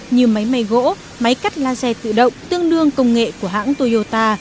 như máy may gỗ máy cắt laser tự động tương đương công nghệ của hãng toyota